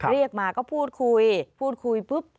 เรียกมาก็พูดคุยพูดคุยปุ๊บ